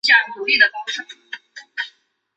滇糙叶树为榆科糙叶树属的植物。